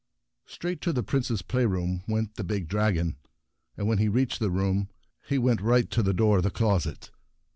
Straight to the Prince's play room went the big dragon, and when he reached the room, he went right to the door of the closet.